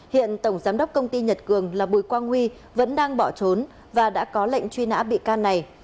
hiện tổng giám đốc công ty nhật cường là bùi quang huy vẫn đang bỏ trốn và đã có lệnh truy nã bị can này